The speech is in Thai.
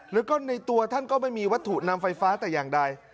แล้วก็ในตัวท่านก็ไม่มีวัตถุนำไฟฟ้าแต่อย่างใด